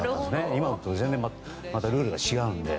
今とは全然ルールが違うので。